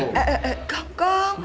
eh eh eh kong kong